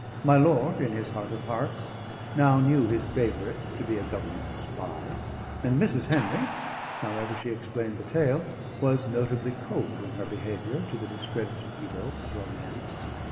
My lord, in his heart of hearts, now knew his favourite to be a Government spy; and Mrs. Henry (however she explained the tale) was notably cold in her behaviour to the discredited hero of romance.